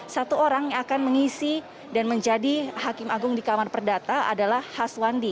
satu orang yang akan mengisi dan menjadi hakim agung di kamar perdata adalah haswandi